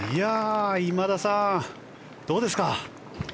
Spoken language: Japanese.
今田さん、どうですか？